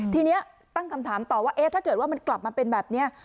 ทีนี้ตั้งคำถามต่อว่าถ้าเกิดว่ามันกลับมาเป็นแบบนี้